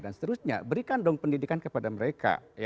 dan seterusnya berikan dong pendidikan kepada mereka